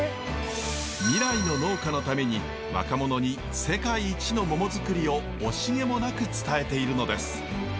未来の農家のために若者に世界一のモモづくりを惜しげもなく伝えているのです。